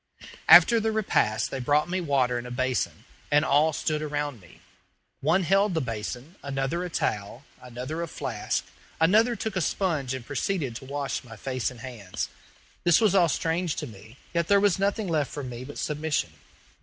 After the repast they brought me water in a basin, and all stood around me. One held the basin, another a towel, another a flask, another took a sponge and proceeded to wash my face and hands. This was all strange to me, yet there was nothing left for me but submission.